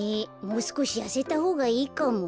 もうすこしやせたほうがいいかも。